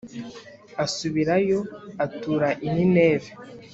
asubirayo atura i Nineve